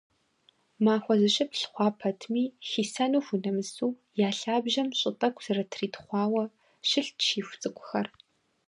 Махуэ зыщыплӏ хъуа пэтми, хисэну хунэмысу, я лъабжьэм щӏы тӏэкӏу зэрытритхъуауэ, щылът щиху цӏыкӏухэр.